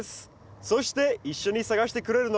そして一緒に探してくれるのが。